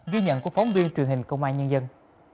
ghi nhận của phóng viên truyền hình công an nhân dân